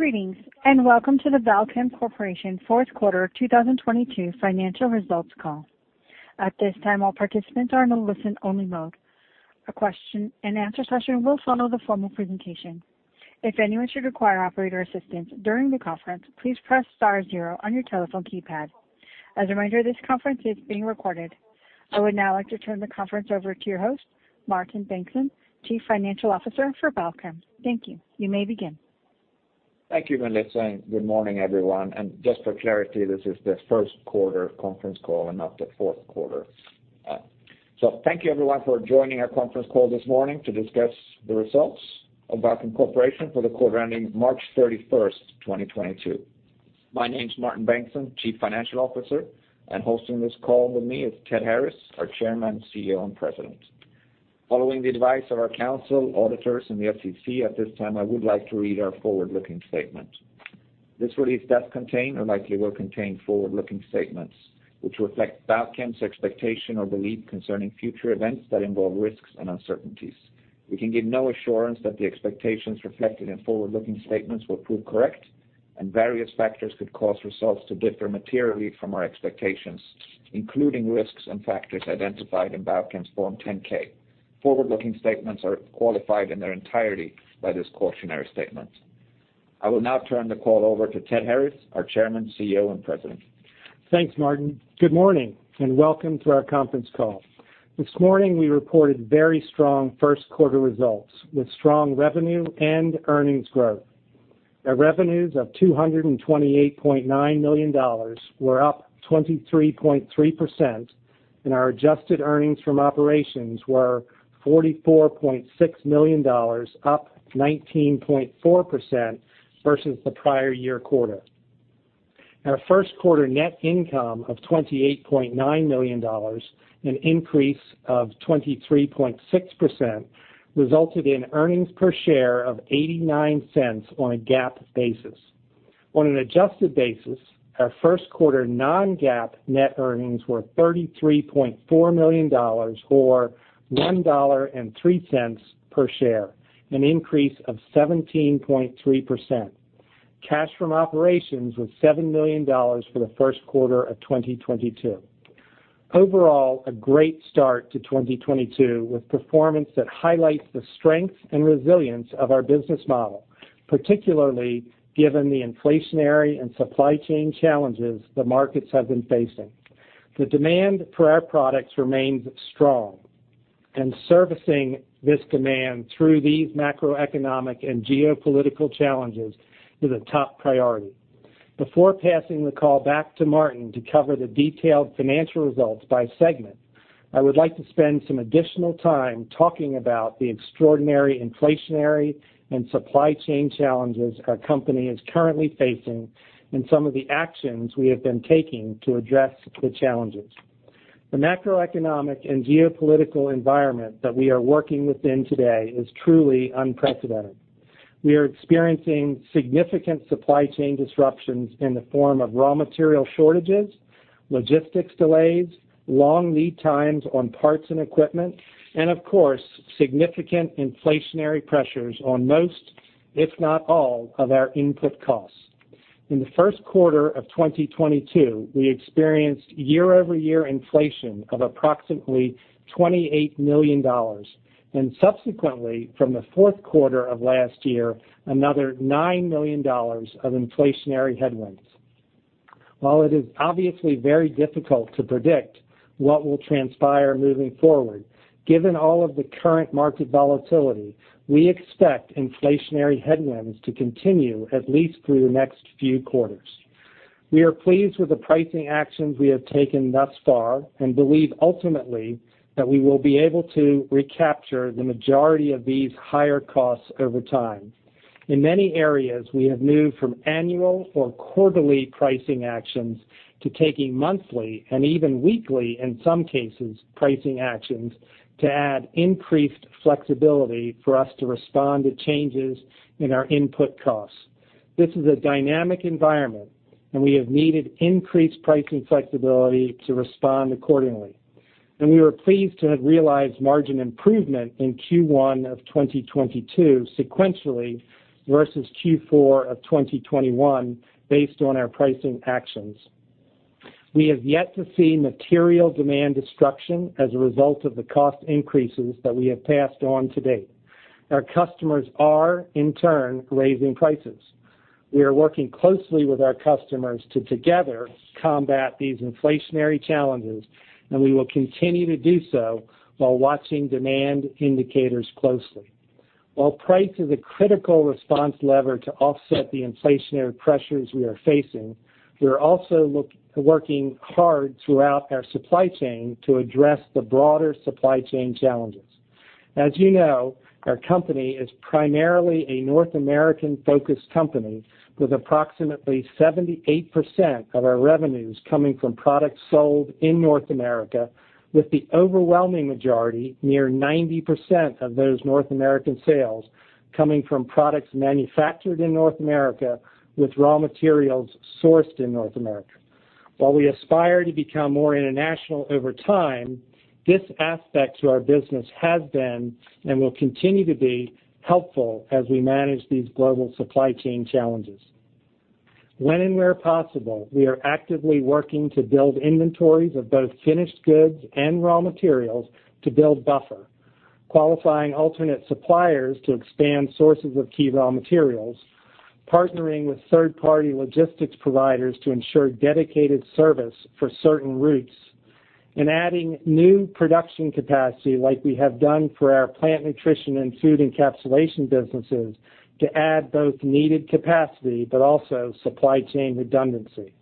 Greetings, and welcome to the Balchem Corporation Q4 2022 financial results call. At this time, all participants are in a listen-only mode. A question-and-answer session will follow the formal presentation. If anyone should require operator assistance during the conference, please press star zero on your telephone keypad. As a reminder, this conference is being recorded. I would now like to turn the conference over to your host, Martin Bengtsson, Chief Financial Officer for Balchem. Thank you. You may begin. Thank you, Melissa, and good morning, everyone. Just for clarity, this is the Q1 conference call and not the Q4. Thank you, everyone, for joining our conference call this morning to discuss the results of Balchem Corporation for the quarter ending March 31, 2022. My name's Martin Bengtsson, Chief Financial Officer, and hosting this call with me is Ted Harris, our Chairman, CEO, and President. Following the advice of our counsel, auditors, and the FCC, at this time, I would like to read our forward-looking statement. This release does contain or likely will contain forward-looking statements which reflect Balchem's expectation or belief concerning future events that involve risks and uncertainties. We can give no assurance that the expectations reflected in forward-looking statements will prove correct, and various factors could cause results to differ materially from our expectations, including risks and factors identified in Balchem's Form 10-K. Forward-looking statements are qualified in their entirety by this cautionary statement. I will now turn the call over to Ted Harris, our Chairman, CEO, and President. Thanks, Martin. Good morning, and welcome to our conference call. This morning, we reported very strong Q1 results, with strong revenue and earnings growth. Our revenues of $228.9 million were up 23.3%, and our adjusted earnings from operations were $44.6 million, up 19.4% versus the prior year quarter. Our Q1 net income of $28.9 million, an increase of 23.6%, resulted in earnings per share of $0.89 on a GAAP basis. On an adjusted basis, our Q1 non-GAAP net earnings were $33.4 million or $1.03 per share, an increase of 17.3%. Cash from operations was $7 million for the Q1 of 2022. Overall, a great start to 2022 with performance that highlights the strength and resilience of our business model, particularly given the inflationary and supply chain challenges the markets have been facing. The demand for our products remains strong, and servicing this demand through these macroeconomic and geopolitical challenges is a top priority. Before passing the call back to Martin to cover the detailed financial results by segment, I would like to spend some additional time talking about the extraordinary inflationary and supply chain challenges our company is currently facing and some of the actions we have been taking to address the challenges. The macroeconomic and geopolitical environment that we are working within today is truly unprecedented. We are experiencing significant supply chain disruptions in the form of raw material shortages, logistics delays, long lead times on parts and equipment, and of course, significant inflationary pressures on most, if not all, of our input costs. In the Q1 of 2022, we experienced year-over-year inflation of approximately $28 million, and subsequently, from the Q4 of last year, another $9 million of inflationary headwinds. While it is obviously very difficult to predict what will transpire moving forward, given all of the current market volatility, we expect inflationary headwinds to continue at least through the next few quarters. We are pleased with the pricing actions we have taken thus far and believe ultimately that we will be able to recapture the majority of these higher costs over time. In many areas, we have moved from annual or quarterly pricing actions to taking monthly and even weekly, in some cases, pricing actions to add increased flexibility for us to respond to changes in our input costs. This is a dynamic environment, and we have needed increased pricing flexibility to respond accordingly. We were pleased to have realized margin improvement in Q1 of 2022 sequentially versus Q4 of 2021 based on our pricing actions. We have yet to see material demand destruction as a result of the cost increases that we have passed on to date. Our customers are, in turn, raising prices. We are working closely with our customers to together combat these inflationary challenges, and we will continue to do so while watching demand indicators closely. While price is a critical response lever to offset the inflationary pressures we are facing, we are also working hard throughout our supply chain to address the broader supply chain challenges. As you know, our company is primarily a North American-focused company with approximately 78% of our revenues coming from products sold in North America, with the overwhelming majority, near 90% of those North American sales, coming from products manufactured in North America with raw materials sourced in North America. While we aspire to become more international over time, this aspect to our business has been and will continue to be helpful as we manage these global supply chain challenges. When and where possible, we are actively working to build inventories of both finished goods and raw materials to build buffer, qualifying alternate suppliers to expand sources of key raw materials, partnering with third-party logistics providers to ensure dedicated service for certain routes, and adding new production capacity like we have done for our plant nutrition and food encapsulation businesses to add both needed capacity but also supply chain redundancy.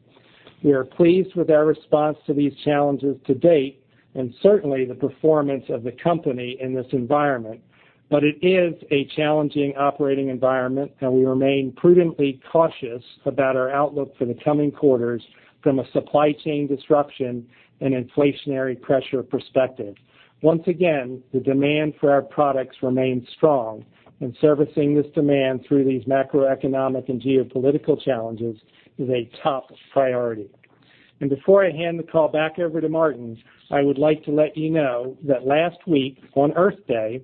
We are pleased with our response to these challenges to date and certainly the performance of the company in this environment. It is a challenging operating environment, and we remain prudently cautious about our outlook for the coming quarters from a supply chain disruption and inflationary pressure perspective. Once again, the demand for our products remains strong, and servicing this demand through these macroeconomic and geopolitical challenges is a top priority. Before I hand the call back over to Martin, I would like to let you know that last week on Earth Day,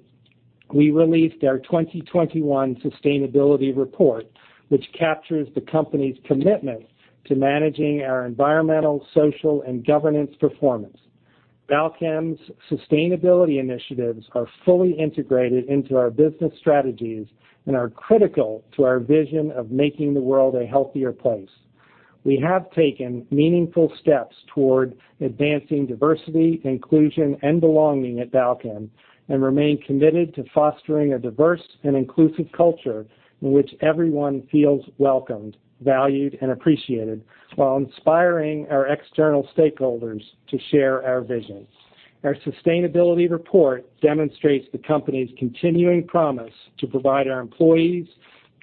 we released our 2021 sustainability report, which captures the company's commitment to managing our environmental, social, and governance performance. Balchem's sustainability initiatives are fully integrated into our business strategies and are critical to our vision of making the world a healthier place. We have taken meaningful steps toward advancing diversity, inclusion, and belonging at Balchem and remain committed to fostering a diverse and inclusive culture in which everyone feels welcomed, valued, and appreciated while inspiring our external stakeholders to share our vision. Our sustainability report demonstrates the company's continuing promise to provide our employees,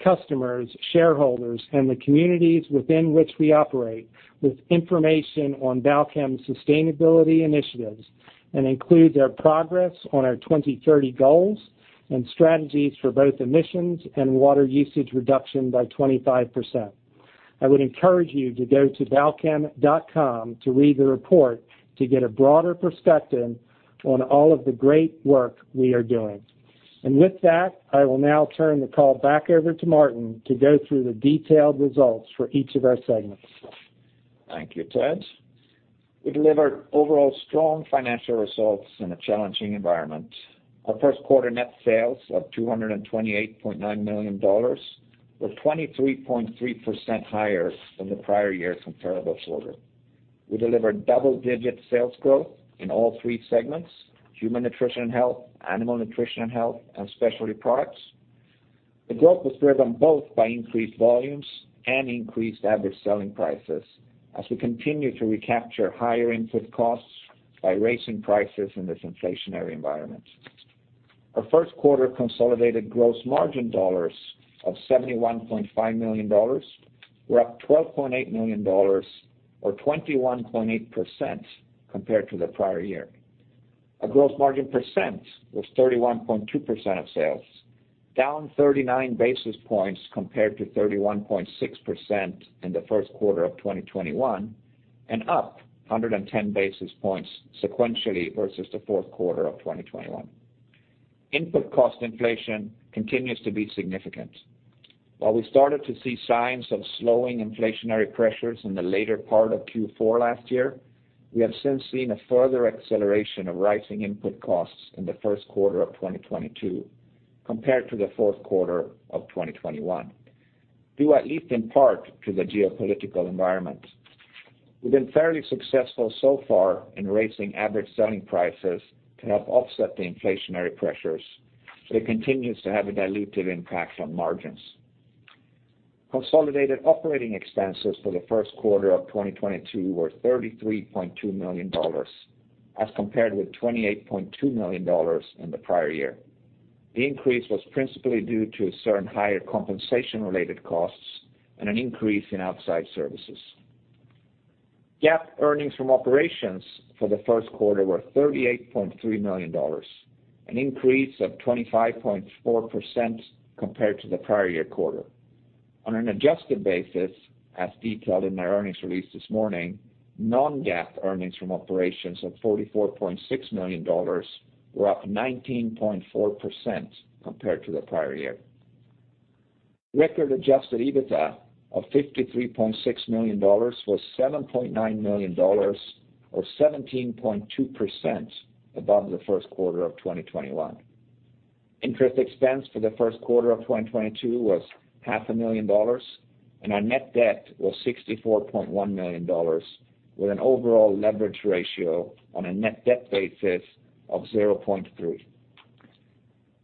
customers, shareholders, and the communities within which we operate with information on Balchem's sustainability initiatives and include their progress on our 2030 goals and strategies for both emissions and water usage reduction by 25%. I would encourage you to go to balchem.com to read the report to get a broader perspective on all of the great work we are doing. With that, I will now turn the call back over to Martin to go through the detailed results for each of our segments. Thank you, Ted. We delivered overall strong financial results in a challenging environment. Our Q1 net sales of $228.9 million were 23.3% higher than the prior year's comparable quarter. We delivered double-digit sales growth in all three segments, Human Nutrition & Health, Animal Nutrition & Health, and Specialty Products. The growth was driven both by increased volumes and increased average selling prices as we continue to recapture higher input costs by raising prices in this inflationary environment. Our Q1 consolidated gross margin dollars of $71.5 million were up $12.8 million or 21.8% compared to the prior year. Our gross margin percent was 31.2% of sales, down 39 basis points compared to 31.6% in the Q1 of 2021, and up 110 basis points sequentially versus the Q4 of 2021. Input cost inflation continues to be significant. While we started to see signs of slowing inflationary pressures in the later part of Q4 last year, we have since seen a further acceleration of rising input costs in the Q1 of 2022 compared to the Q4 of 2021, due at least in part to the geopolitical environment. We've been fairly successful so far in raising average selling prices to help offset the inflationary pressures, but it continues to have a dilutive impact on margins. Consolidated operating expenses for the Q1 of 2022 were $33.2 million, as compared with $28.2 million in the prior year. The increase was principally due to certain higher compensation-related costs and an increase in outside services. GAAP earnings from operations for the Q1 were $38.3 million, an increase of 25.4% compared to the prior year quarter. On an adjusted basis, as detailed in our earnings release this morning, non-GAAP earnings from operations of $44.6 million were up 19.4% compared to the prior year. Record adjusted EBITDA of $53.6 million was $7.9 million or 17.2% above the Q1 of 2021. Interest expense for the Q1 of 2022 was half a million dollars, and our net debt was $64.1 million, with an overall leverage ratio on a net debt basis of 0.3.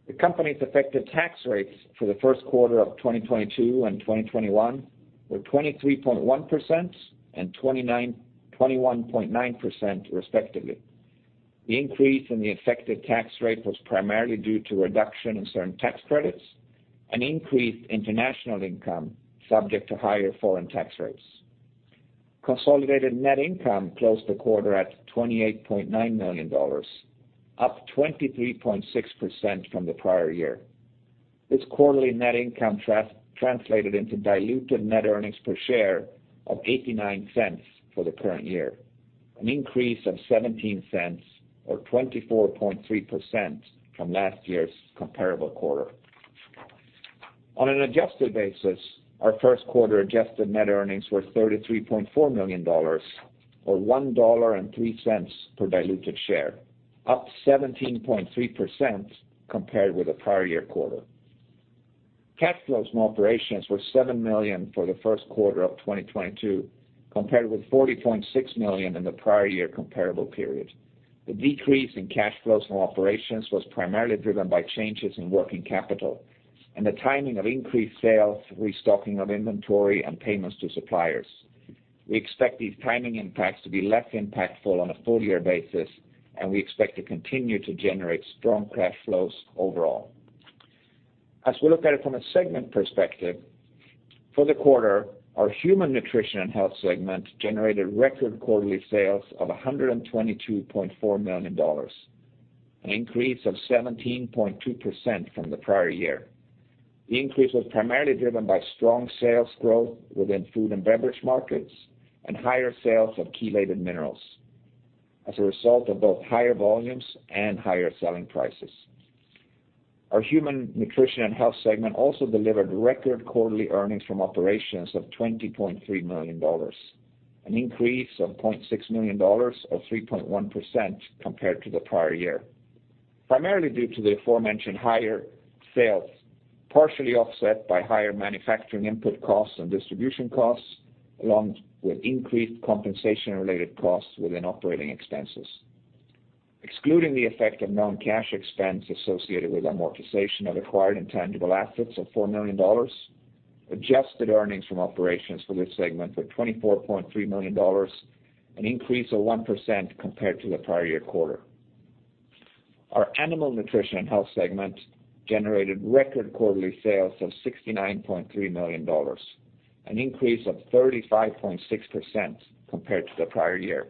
The company's effective tax rates for the Q1 of 2022 and 2021 were 23.1% and 21.9% respectively. The increase in the effective tax rate was primarily due to a reduction in certain tax credits and increased international income subject to higher foreign tax rates. Consolidated net income closed the quarter at $28.9 million, up 23.6% from the prior year. This quarterly net income translated into diluted net earnings per share of $0.89 for the current year, an increase of $0.17 or 24.3% from last year's comparable quarter. On an adjusted basis, our Q1 adjusted net earnings were $33.4 million or $1.03 per diluted share, up 17.3% compared with the prior year quarter. Cash flows from operations were $7 million for the Q1 of 2022, compared with $40.6 million in the prior year comparable period. The decrease in cash flows from operations was primarily driven by changes in working capital and the timing of increased sales, restocking of inventory, and payments to suppliers. We expect these timing impacts to be less impactful on a full year basis, and we expect to continue to generate strong cash flows overall. As we look at it from a segment perspective, for the quarter, our Human Nutrition & Health segment generated record quarterly sales of $122.4 million, an increase of 17.2% from the prior year. The increase was primarily driven by strong sales growth within food and beverage markets and higher sales of chelated minerals as a result of both higher volumes and higher selling prices. Our Human Nutrition & Health segment also delivered record quarterly earnings from operations of $20.3 million, an increase of $0.6 million, or 3.1% compared to the prior year, primarily due to the aforementioned higher sales, partially offset by higher manufacturing input costs and distribution costs, along with increased compensation-related costs within operating expenses. Excluding the effect of non-cash expense associated with amortization of acquired intangible assets of $4 million, adjusted earnings from operations for this segment were $24.3 million, an increase of 1% compared to the prior year quarter. Our Animal Nutrition and Health segment generated record quarterly sales of $69.3 million, an increase of 35.6% compared to the prior year.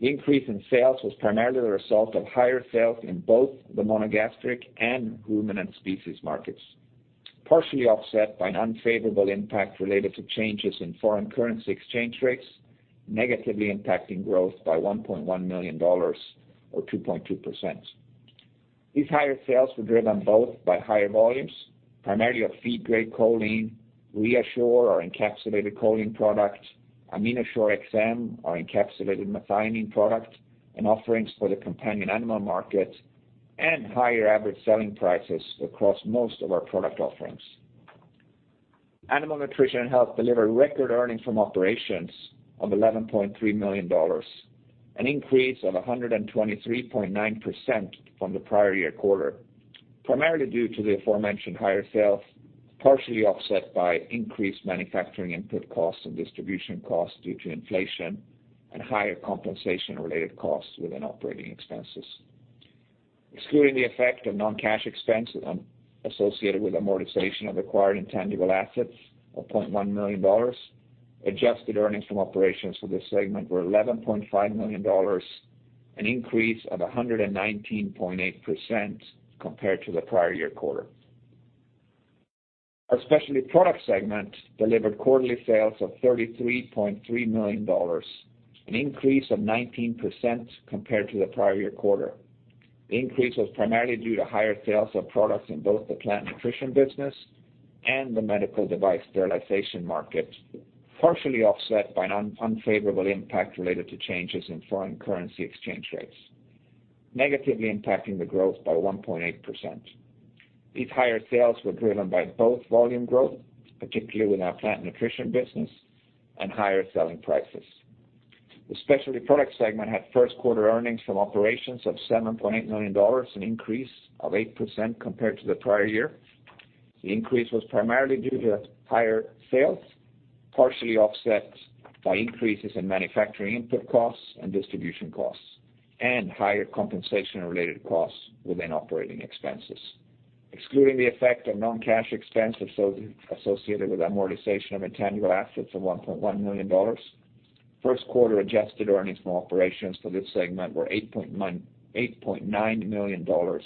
The increase in sales was primarily the result of higher sales in both the monogastric and ruminant species markets, partially offset by an unfavorable impact related to changes in foreign currency exchange rates, negatively impacting growth by $1.1 million or 2.2%. These higher sales were driven both by higher volumes, primarily of feed-grade choline, ReaShure, our encapsulated choline product, AminoShure-XM, our encapsulated methionine product, and offerings for the companion animal market, and higher average selling prices across most of our product offerings. Animal Nutrition & Health delivered record earnings from operations of $11.3 million, an increase of 123.9% from the prior year quarter, primarily due to the aforementioned higher sales, partially offset by increased manufacturing input costs and distribution costs due to inflation and higher compensation-related costs within operating expenses. Excluding the effect of non-cash expense associated with amortization of acquired intangible assets of $0.1 million, adjusted earnings from operations for this segment were $11.5 million, an increase of 119.8% compared to the prior year quarter. Our Specialty Products segment delivered quarterly sales of $33.3 million, an increase of 19% compared to the prior year quarter. The increase was primarily due to higher sales of products in both the plant nutrition business and the medical device sterilization market, partially offset by an unfavorable impact related to changes in foreign currency exchange rates, negatively impacting the growth by 1.8%. These higher sales were driven by both volume growth, particularly with our plant nutrition business, and higher selling prices. The Specialty Products segment had Q1 earnings from operations of $7.8 million, an increase of 8% compared to the prior year. The increase was primarily due to higher sales, partially offset by increases in manufacturing input costs and distribution costs, and higher compensation-related costs within operating expenses. Excluding the effect of non-cash expense associated with amortization of intangible assets of $1.1 million, Q1 adjusted earnings from operations for this segment were $8.9 million, an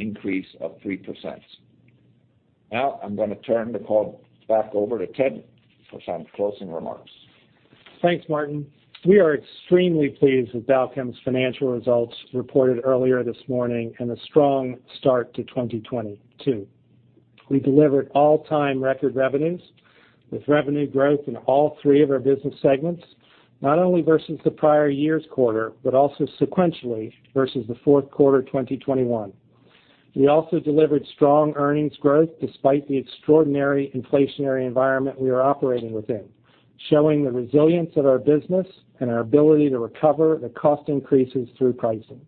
increase of 3%. Now, I'm gonna turn the call back over to Ted for some closing remarks. Thanks, Martin. We are extremely pleased with Balchem's financial results reported earlier this morning and a strong start to 2022. We delivered all-time record revenues with revenue growth in all three of our business segments, not only versus the prior year's quarter, but also sequentially versus the Q4 of 2021. We also delivered strong earnings growth despite the extraordinary inflationary environment we are operating within, showing the resilience of our business and our ability to recover the cost increases through pricing.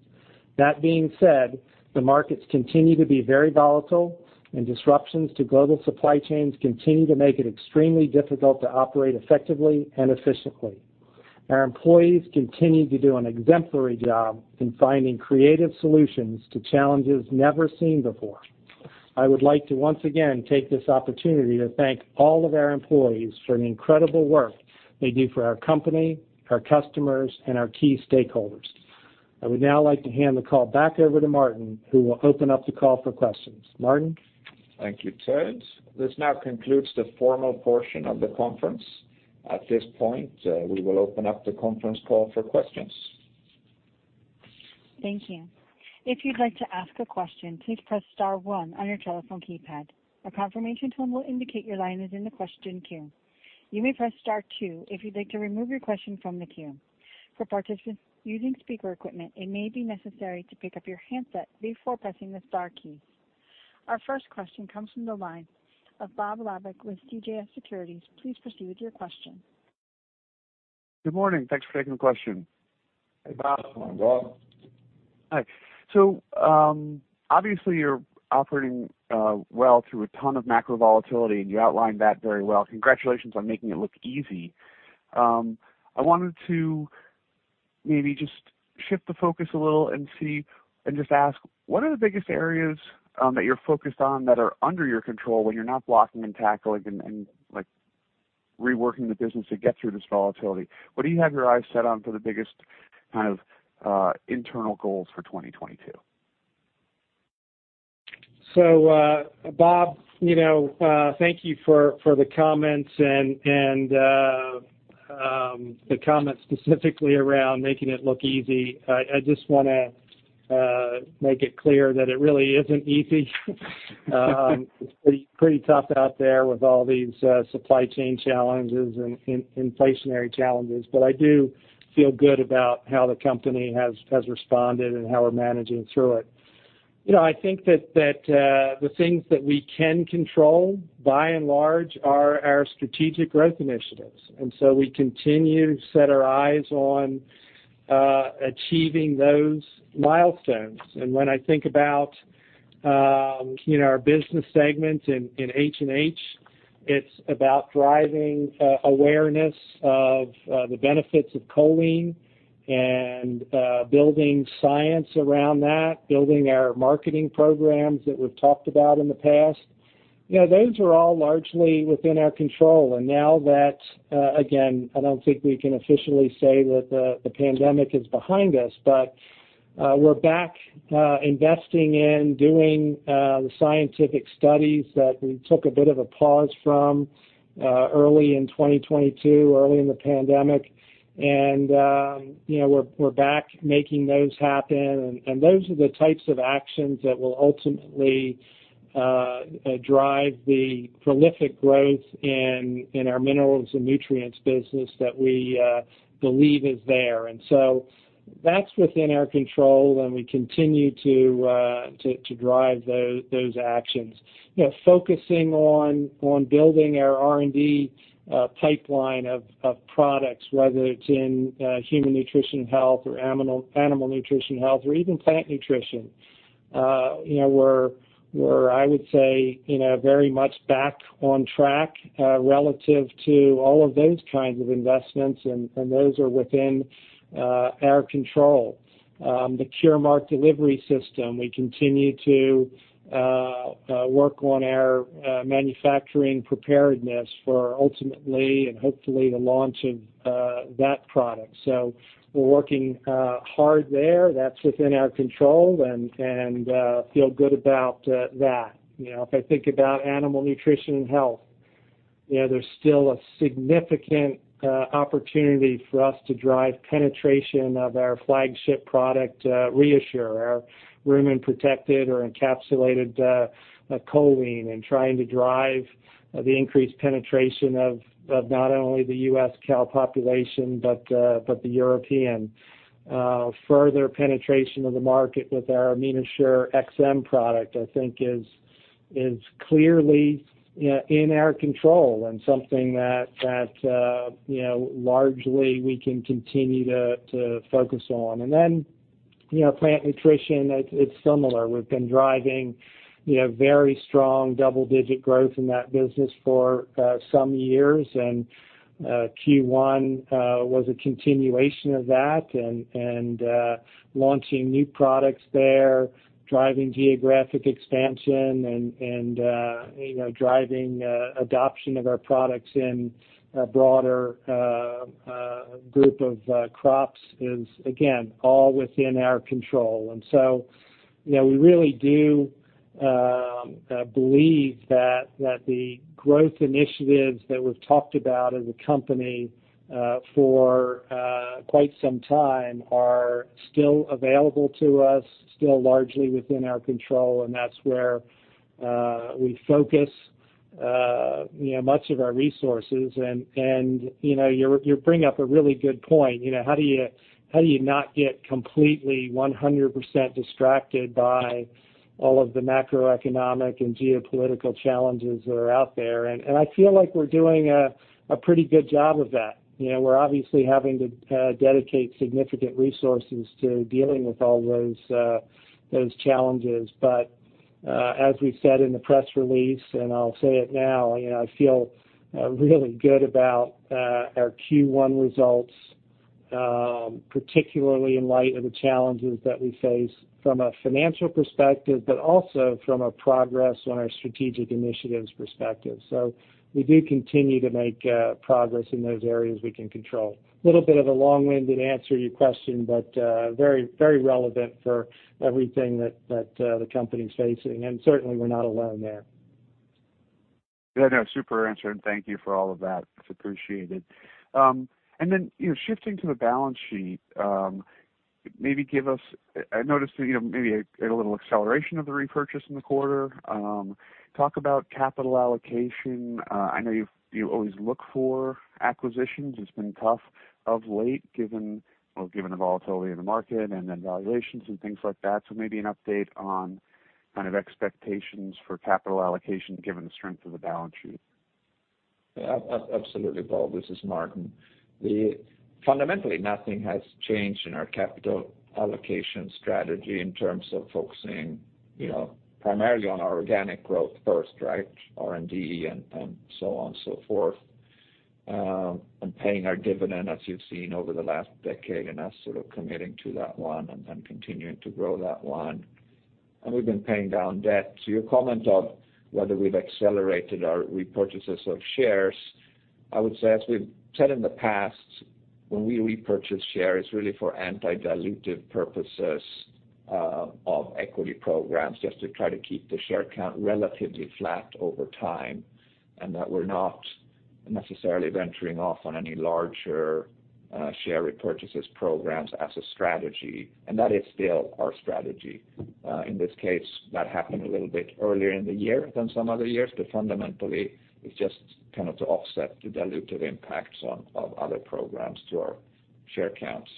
That being said, the markets continue to be very volatile and disruptions to global supply chains continue to make it extremely difficult to operate effectively and efficiently. Our employees continue to do an exemplary job in finding creative solutions to challenges never seen before. I would like to once again take this opportunity to thank all of our employees for the incredible work they do for our company, our customers, and our key stakeholders. I would now like to hand the call back over to Martin, who will open up the call for questions. Martin? Thank you, Ted. This now concludes the formal portion of the conference. At this point, we will open up the conference call for questions. Thank you. If you'd like to ask a question, please press star one on your telephone keypad. A confirmation tone will indicate your line is in the question queue. You may press star two if you'd like to remove your question from the queue. For participants using speaker equipment, it may be necessary to pick up your handset before pressing the star key. Our first question comes from the line of Bob Labick with CJS Securities. Please proceed with your question. Good morning. Thanks for taking the question. Hey, Bob. Good morning, Bob. Hi. Obviously, you're operating well through a ton of macro volatility, and you outlined that very well. Congratulations on making it look easy. I wanted to maybe just shift the focus a little and just ask, what are the biggest areas that you're focused on that are under your control when you're not blocking and tackling and like reworking the business to get through this volatility? What do you have your eyes set on for the biggest kind of internal goals for 2022? Bob, you know, thank you for the comments and the comments specifically around making it look easy. I just wanna make it clear that it really isn't easy. It's pretty tough out there with all these supply chain challenges and inflationary challenges. I do feel good about how the company has responded and how we're managing through it. You know, I think that the things that we can control, by and large, are our strategic growth initiatives. We continue to set our eyes on achieving those milestones. When I think about, you know, our business segments in H&H, it's about driving awareness of the benefits of choline and building science around that, building our marketing programs that we've talked about in the past. You know, those are all largely within our control. Now that, again, I don't think we can officially say that the pandemic is behind us, but we're back investing in doing the scientific studies that we took a bit of a pause from early in 2022, early in the pandemic. You know, we're back making those happen. Those are the types of actions that will ultimately drive the prolific growth in our minerals and nutrients business that we believe is there. So that's within our control, and we continue to drive those actions. You know, focusing on building our R&D pipeline of products, whether it's in Human Nutrition & Health or Animal Nutrition & Health or even plant nutrition. You know, we're I would say, you know, very much back on track relative to all of those kinds of investments, and those are within our control. The Curemark delivery system, we continue to work on our manufacturing preparedness for ultimately and hopefully the launch of that product. We're working hard there. That's within our control and feel good about that. You know, if I think about Animal Nutrition & Health, you know, there's still a significant opportunity for us to drive penetration of our flagship product, ReaShure, our rumen-protected or encapsulated choline and trying to drive the increased penetration of not only the U.S. cow population, but the European. Further penetration of the market with our AminoShure-XM product, I think is clearly, you know, in our control and something that, you know, largely we can continue to focus on. Plant nutrition, it's similar. We've been driving, you know, very strong double-digit growth in that business for some years. Q1 was a continuation of that. Launching new products there, driving geographic expansion and, you know, driving adoption of our products in a broader group of crops is, again, all within our control. You know, we really do believe that the growth initiatives that we've talked about as a company for quite some time are still available to us, still largely within our control, and that's where we focus you know much of our resources. You know, you're bringing up a really good point, you know. How do you not get completely 100% distracted by all of the macroeconomic and geopolitical challenges that are out there? I feel like we're doing a pretty good job of that. You know, we're obviously having to dedicate significant resources to dealing with all those challenges. As we said in the press release, and I'll say it now, you know, I feel really good about our Q1 results. Particularly in light of the challenges that we face from a financial perspective, but also from a progress on our strategic initiatives perspective. We do continue to make progress in those areas we can control. Little bit of a long-winded answer to your question, but very, very relevant for everything that the company is facing, and certainly we're not alone there. Yeah, no, super answer, and thank you for all of that. It's appreciated. Shifting to the balance sheet, maybe give us. I noticed, you know, maybe a little acceleration of the repurchase in the quarter. Talk about capital allocation. I know you always look for acquisitions. It's been tough of late given the volatility in the market and then valuations and things like that. Maybe an update on kind of expectations for capital allocation given the strength of the balance sheet. Yeah. Absolutely, Bob. This is Martin. Fundamentally nothing has changed in our capital allocation strategy in terms of focusing, you know, primarily on our organic growth first, right? R&D and so on and so forth, and paying our dividend, as you've seen over the last decade, and us sort of committing to that one and continuing to grow that one. We've been paying down debt. To your comment on whether we've accelerated our repurchases of shares, I would say, as we've said in the past, when we repurchase shares, it's really for anti-dilutive purposes of equity programs, just to try to keep the share count relatively flat over time, and that we're not necessarily venturing off on any larger share repurchases programs as a strategy, and that is still our strategy. In this case, that happened a little bit earlier in the year than some other years, but fundamentally it's just kind of to offset the dilutive impacts of other programs to our share counts.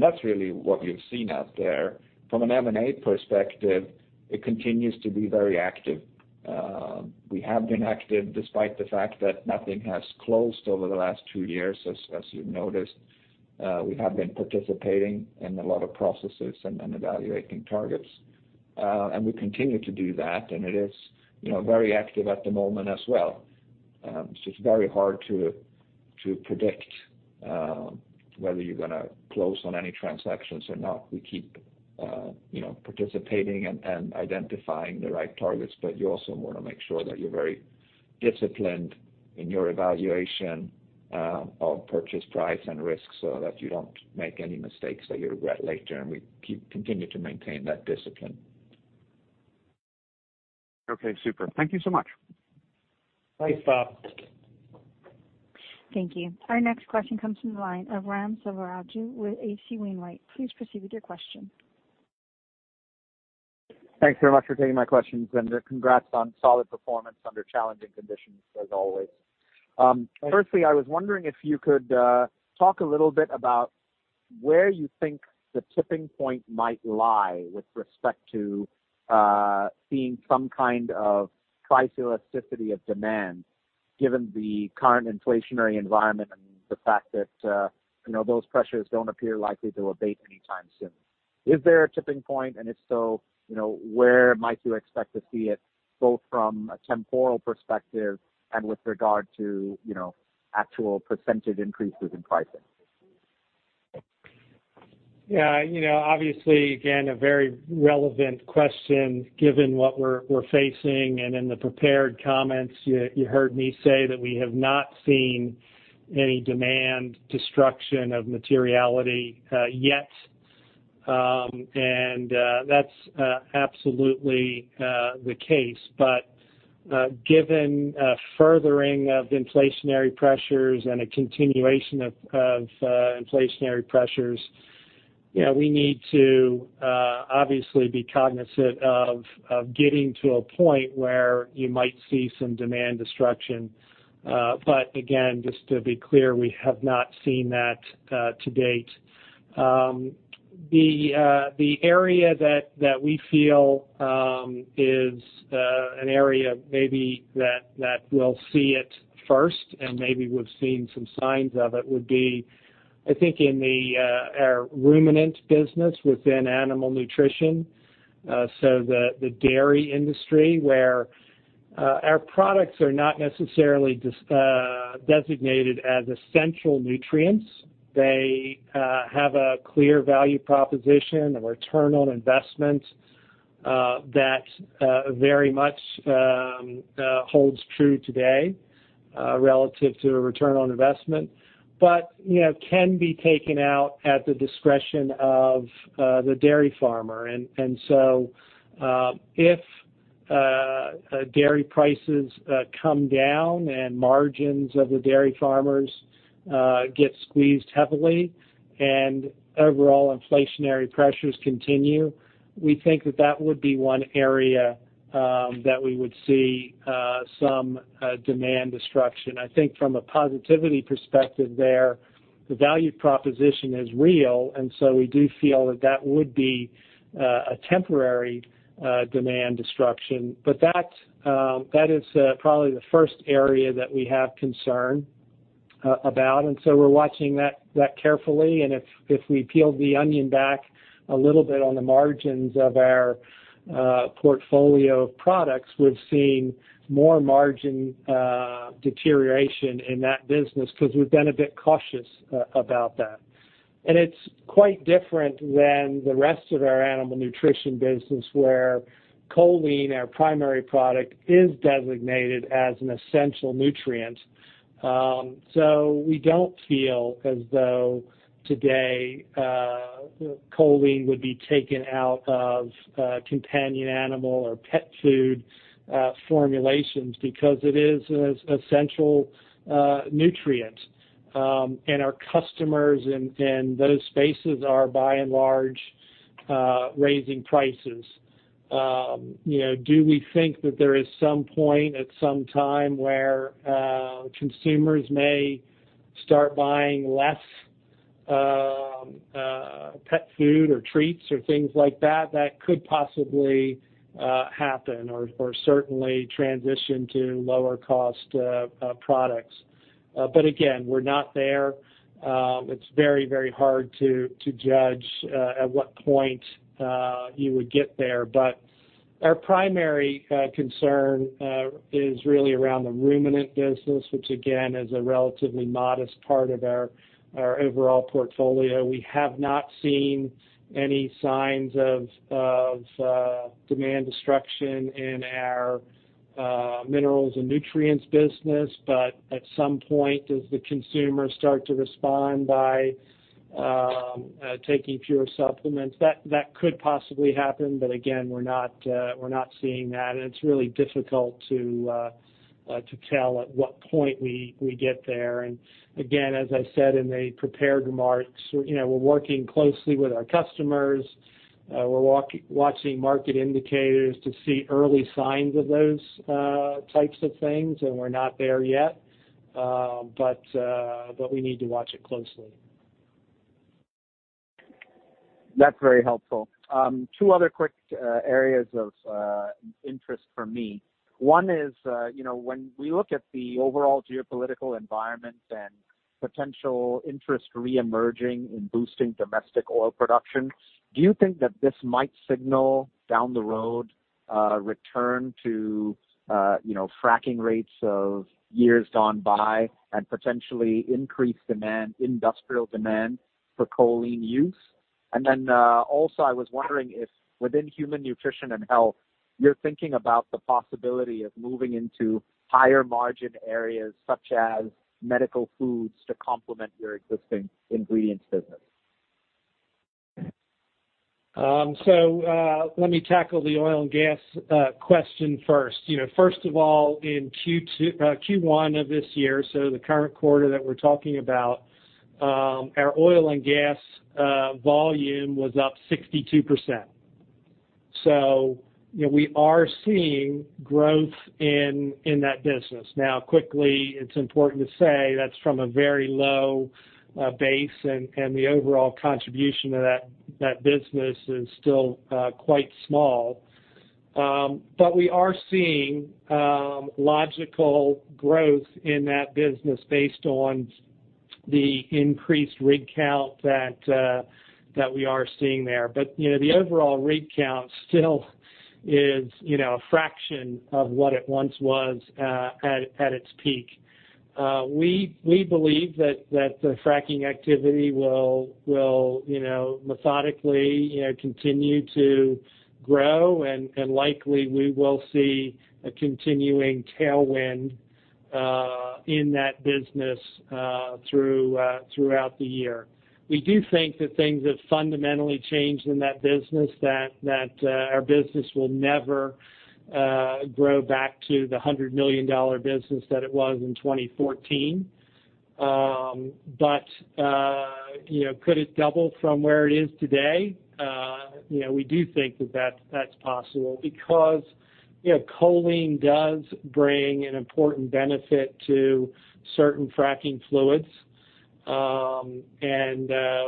That's really what you've seen out there. From an M&A perspective, it continues to be very active. We have been active despite the fact that nothing has closed over the last two years, as you've noticed. We have been participating in a lot of processes and evaluating targets. We continue to do that, and it is, you know, very active at the moment as well. It's just very hard to predict whether you're gonna close on any transactions or not. We keep, you know, participating and identifying the right targets, but you also wanna make sure that you're very disciplined in your evaluation of purchase price and risk so that you don't make any mistakes that you regret later, and we continue to maintain that discipline. Okay, super. Thank you so much. Thanks, Bob. Thank you. Our next question comes from the line of Raghuram Selvaraju with H.C. Wainwright & Co. Please proceed with your question. Thanks very much for taking my questions, and, congrats on solid performance under challenging conditions as always. Thank you. Firstly, I was wondering if you could talk a little bit about where you think the tipping point might lie with respect to seeing some kind of price elasticity of demand, given the current inflationary environment and the fact that, you know, those pressures don't appear likely to abate anytime soon. Is there a tipping point? And if so, you know, where might you expect to see it, both from a temporal perspective and with regard to, you know, actual percentage increases in pricing? Yeah. You know, obviously, again, a very relevant question given what we're facing. In the prepared comments, you heard me say that we have not seen any material demand destruction yet. That's absolutely the case. Given a furthering of inflationary pressures and a continuation of inflationary pressures, you know, we need to obviously be cognizant of getting to a point where you might see some demand destruction. Again, just to be clear, we have not seen that to date. The area that we feel is an area maybe that we'll see it first and maybe we've seen some signs of it would be, I think, in our ruminant business within animal nutrition. The dairy industry where our products are not necessarily designated as essential nutrients. They have a clear value proposition, a return on investment that very much holds true today relative to a return on investment, but you know, can be taken out at the discretion of the dairy farmer. If dairy prices come down and margins of the dairy farmers get squeezed heavily and overall inflationary pressures continue, we think that would be one area that we would see some demand destruction. I think from a positivity perspective there, the value proposition is real, and we do feel that would be a temporary demand destruction. That is probably the first area that we have concern about, and so we're watching that carefully. If we peel the onion back a little bit on the margins of our portfolio of products, we've seen more margin deterioration in that business because we've been a bit cautious about that. It's quite different than the rest of our animal nutrition business where choline, our primary product, is designated as an essential nutrient. So we don't feel as though today choline would be taken out of companion animal or pet food formulations because it is an essential nutrient. Our customers in those spaces are by and large raising prices. You know, do we think that there is some point at some time where consumers may start buying less pet food or treats or things like that? That could possibly happen or certainly transition to lower cost products. But again, we're not there. It's very, very hard to judge at what point you would get there. Our primary concern is really around the ruminant business, which again, is a relatively modest part of our overall portfolio. We have not seen any signs of demand destruction in our minerals and nutrients business. But at some point, as the consumers start to respond by taking fewer supplements, that could possibly happen. But again, we're not seeing that. It's really difficult to tell at what point we get there. Again, as I said in the prepared remarks, you know, we're working closely with our customers. We're watching market indicators to see early signs of those types of things, and we're not there yet. We need to watch it closely. That's very helpful. Two other quick areas of interest for me. One is, you know, when we look at the overall geopolitical environment and potential interest reemerging in boosting domestic oil production, do you think that this might signal down the road a return to, you know, fracking rates of years gone by and potentially increase demand, industrial demand for choline use? Also I was wondering if within Human Nutrition & Health, you're thinking about the possibility of moving into higher margin areas such as medical foods to complement your existing ingredients business. Let me tackle the oil and gas question first. You know, first of all, in Q1 of this year, so the current quarter that we're talking about, our oil and gas volume was up 62%. You know, we are seeing growth in that business. Now, quickly, it's important to say that's from a very low base, and the overall contribution of that business is still quite small. We are seeing logical growth in that business based on the increased rig count that we are seeing there. You know, the overall rig count still is, you know, a fraction of what it once was, at its peak. We believe that the fracking activity will, you know, methodically, you know, continue to grow. Likely we will see a continuing tailwind in that business throughout the year. We do think that things have fundamentally changed in that business that our business will never grow back to the $100 million business that it was in 2014. You know, could it double from where it is today? You know, we do think that that's possible because, you know, choline does bring an important benefit to certain fracking fluids.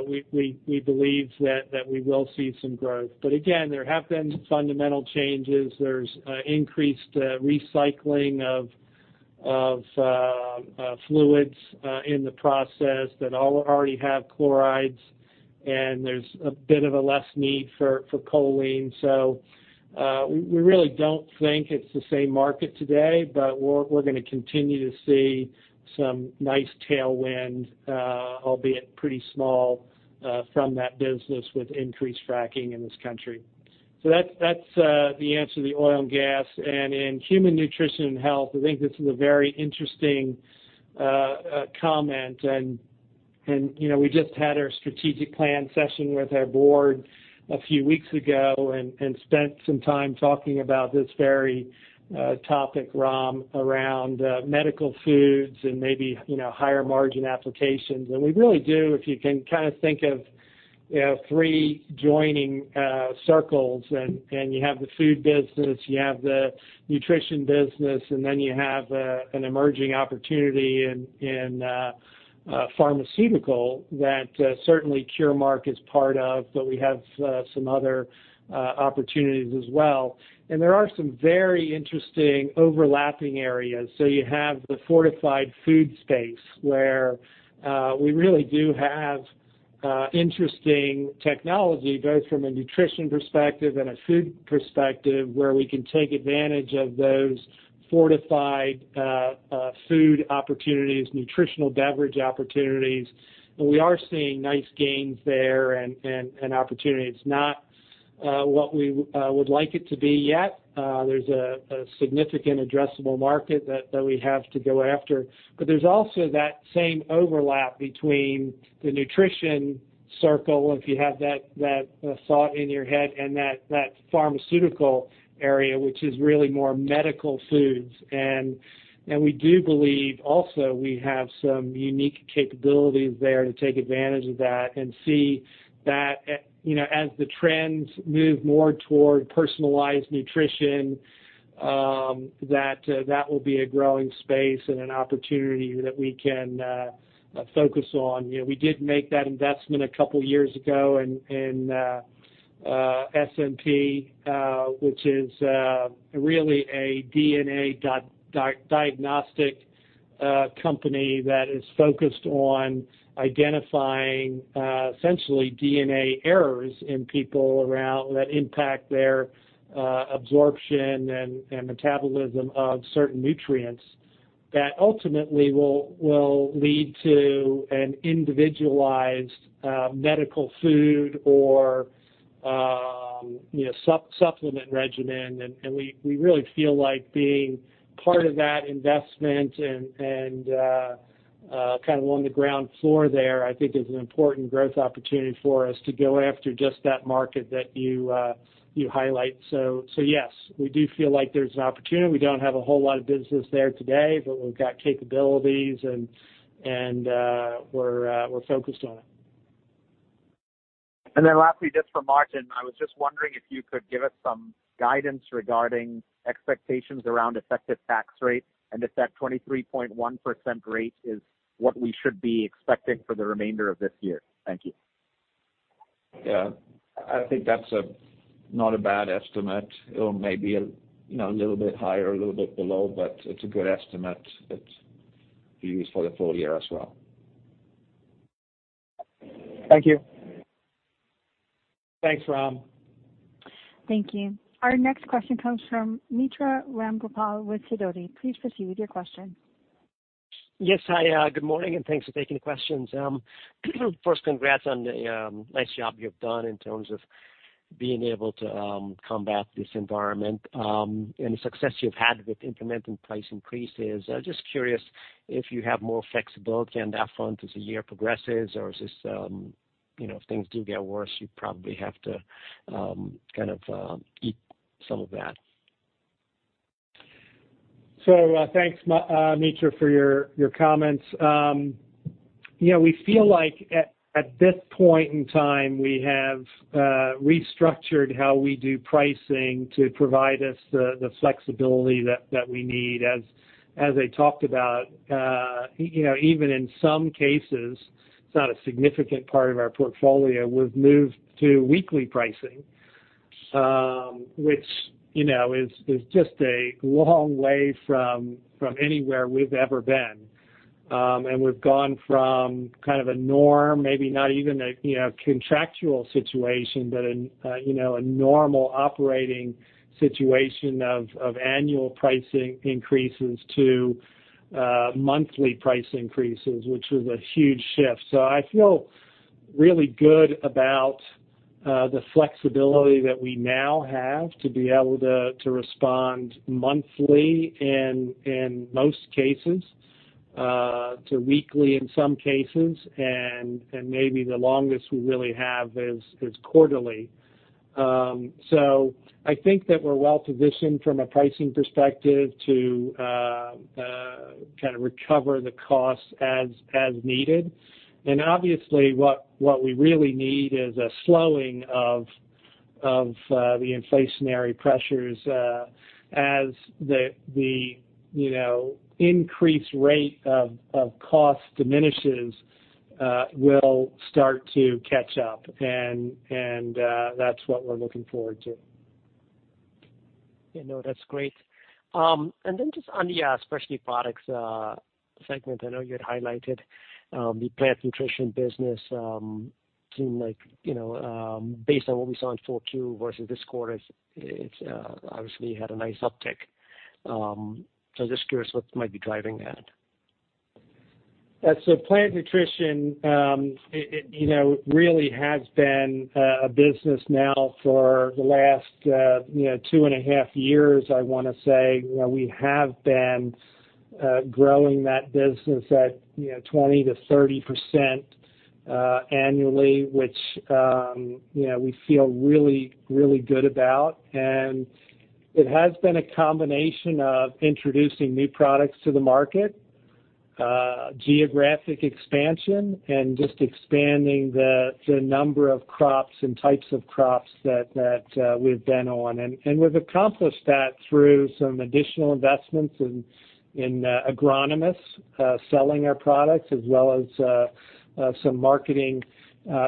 We believe that we will see some growth. Again, there have been fundamental changes. There's increased recycling of fluids in the process that already have chlorides, and there's a bit of a less need for choline. We really don't think it's the same market today, but we're gonna continue to see some nice tailwind, albeit pretty small, from that business with increased fracking in this country. That's the answer to the oil and gas. In Human Nutrition & Health, I think this is a very interesting comment. You know, we just had our strategic plan session with our board a few weeks ago and spent some time talking about this very topic, Raghuram, around medical foods and maybe, you know, higher margin applications. We really do. If you can kind of think of, you know, three joining circles and you have the food business, you have the nutrition business, and then you have an emerging opportunity in pharmaceutical that certainly Curemark is part of, but we have some other opportunities as well. There are some very interesting overlapping areas. You have the fortified food space where we really do have interesting technology, both from a nutrition perspective and a food perspective, where we can take advantage of those fortified food opportunities, nutritional beverage opportunities. We are seeing nice gains there and opportunities. Not what we would like it to be yet. There's a significant addressable market that we have to go after. There's also that same overlap between the nutrition circle, if you have that thought in your head, and that pharmaceutical area, which is really more medical foods. We do believe also we have some unique capabilities there to take advantage of that and see that as the trends move more toward personalized nutrition, that will be a growing space and an opportunity that we can focus on. You know, we did make that investment a couple years ago in SNP, which is really a DNA diagnostic company that is focused on identifying essentially DNA errors in people around that impact their absorption and metabolism of certain nutrients that ultimately will lead to an individualized medical food or, you know, supplement regimen. We really feel like being part of that investment and kind of on the ground floor there, I think is an important growth opportunity for us to go after just that market that you highlight. Yes, we do feel like there's an opportunity. We don't have a whole lot of business there today, but we've got capabilities and we're focused on it. Lastly, just for Martin, I was just wondering if you could give us some guidance regarding expectations around effective tax rate, and if that 23.1% rate is what we should be expecting for the remainder of this year. Thank you. Yeah. I think that's a, not a bad estimate. It may be a, you know, little bit higher, a little bit below, but it's a good estimate to use for the full year as well. Thank you. Thanks, Raghuram. Thank you. Our next question comes from Mitra Ramgopal with Sidoti. Please proceed with your question. Yes. Hi, good morning, and thanks for taking the questions. First, congrats on the nice job you have done in terms of being able to combat this environment, and the success you've had with implementing price increases. I was just curious if you have more flexibility on that front as the year progresses, or is this, you know, if things do get worse, you probably have to kind of eat some of that. Thanks Mitra for your comments. You know, we feel like at this point in time, we have restructured how we do pricing to provide us the flexibility that we need. As I talked about, you know, even in some cases, it's not a significant part of our portfolio, we've moved to weekly pricing. Which, you know, is just a long way from anywhere we've ever been. And we've gone from kind of a norm, maybe not even a, you know, contractual situation, but an, you know, a normal operating situation of annual pricing increases to monthly price increases, which was a huge shift. I feel really good about the flexibility that we now have to be able to respond monthly in most cases to weekly in some cases. Maybe the longest we really have is quarterly. I think that we're well-positioned from a pricing perspective to kind of recover the costs as needed. Obviously what we really need is a slowing of the inflationary pressures, as the you know increased rate of cost diminishes, will start to catch up and that's what we're looking forward to. Yeah, no, that's great. Just on the Specialty Products segment. I know you had highlighted the plant nutrition business, seemed like, you know, based on what we saw in Q4 versus this quarter, it's obviously had a nice uptick. Just curious what might be driving that. Plant nutrition, it you know, really has been a business now for the last you know, two and a half years, I wanna say. You know, we have been growing that business at, you know, 20%-30% annually, which you know, we feel really good about. It has been a combination of introducing new products to the market, geographic expansion, and just expanding the number of crops and types of crops that we've been on. We've accomplished that through some additional investments in agronomists selling our products, as well as some marketing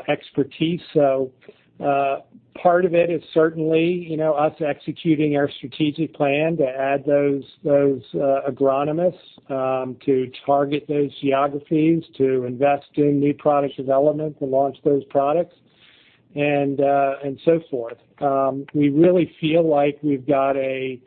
expertise. Part of it is certainly, you know, us executing our strategic plan to add those agronomists to target those geographies, to invest in new product development, to launch those products and so forth. We really feel like we've got a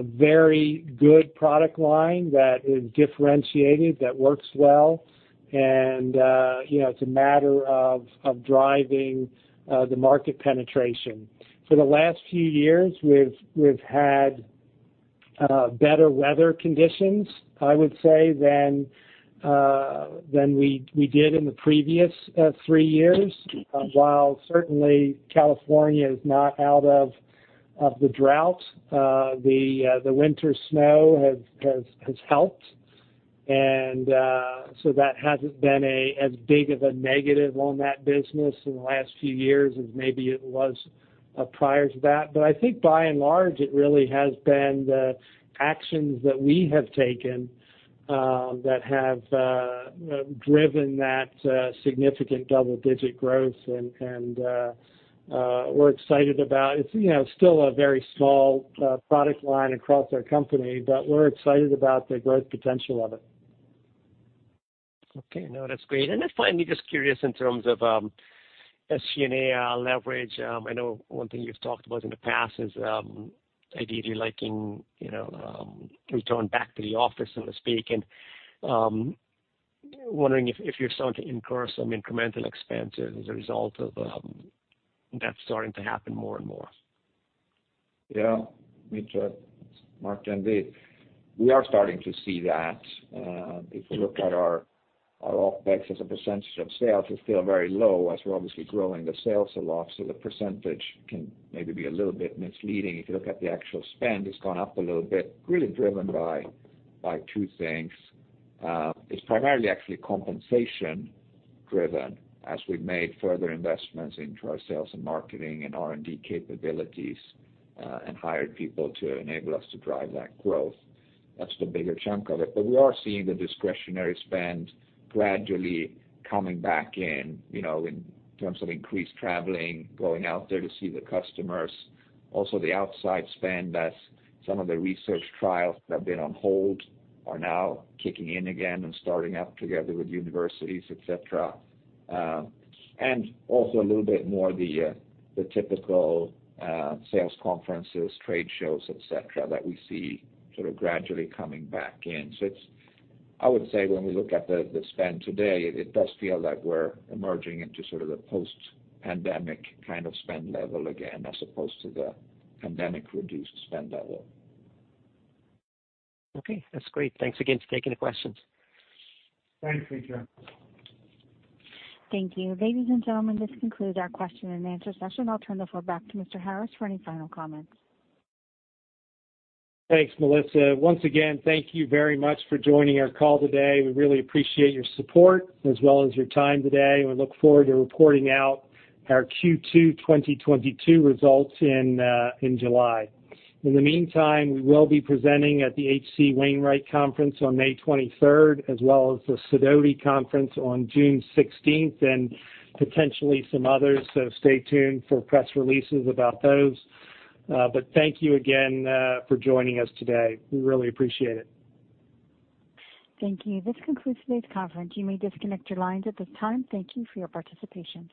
very good product line that is differentiated, that works well. You know, it's a matter of driving the market penetration. For the last few years, we've had better weather conditions, I would say, than we did in the previous three years. While certainly California is not out of the drought, the winter snow has helped. That hasn't been as big of a negative on that business in the last few years as maybe it was prior to that. I think by and large, it really has been the actions that we have taken that have driven that significant double-digit growth. It's, you know, still a very small product line across our company, but we're excited about the growth potential of it. Okay. No, that's great. Finally, just curious in terms of SG&A leverage. I know one thing you've talked about in the past is ideally liking, you know, return back to the office, so to speak. Wondering if you're starting to incur some incremental expenses as a result of that starting to happen more and more. Yeah. Mitra, Mark, Jan, Dave, we are starting to see that. If you look at our OpEx as a percentage of sales is still very low as we're obviously growing the sales a lot. The percentage can maybe be a little bit misleading. If you look at the actual spend, it's gone up a little bit, really driven by two things. It's primarily actually compensation driven as we've made further investments into our sales and marketing and R&D capabilities, and hired people to enable us to drive that growth. That's the bigger chunk of it. We are seeing the discretionary spend gradually coming back in, you know, in terms of increased traveling, going out there to see the customers. Also, the outside spend, as some of the research trials that have been on hold are now kicking in again and starting up together with universities, et cetera. Also a little bit more of the typical sales conferences, trade shows, et cetera, that we see sort of gradually coming back in. It's, I would say, when we look at the spend today, it does feel like we're emerging into sort of the post-pandemic kind of spend level again as opposed to the pandemic-reduced spend level. Okay, that's great. Thanks again for taking the questions. Thanks, Mitra. Thank you. Ladies and gentlemen, this concludes our question-and-answer session. I'll turn the floor back to Mr. Harris for any final comments. Thanks, Melissa. Once again, thank you very much for joining our call today. We really appreciate your support as well as your time today, and we look forward to reporting out our Q2 2022 results in July. In the meantime, we will be presenting at the H.C. Wainwright Conference on May 23rd, as well as the Sidoti Conference on June 16th, and potentially some others. Stay tuned for press releases about those. Thank you again for joining us today. We really appreciate it. Thank you. This concludes today's conference. You may disconnect your lines at this time. Thank you for your participation.